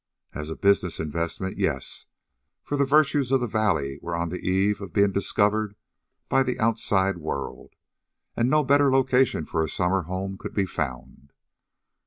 As a business investment, yes; for the virtues of the valley were on the eve of being discovered by the outside world, and no better location for a summer home could be found.